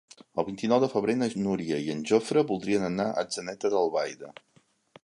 El vint-i-nou de febrer na Núria i en Jofre voldrien anar a Atzeneta d'Albaida.